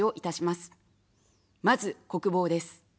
まず、国防です。